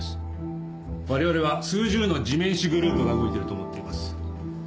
我々は数十の地面師グループが動いていると思っています。